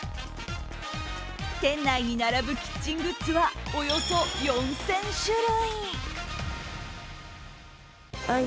店内に並ぶキッチングッズはおよそ４０００種類。